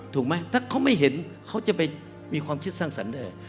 ถูกไหมถ้าเขาไม่เห็นเขาจะไปมีความคิดสร้างสรรค์ได้